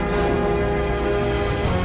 sayavel ke indonesia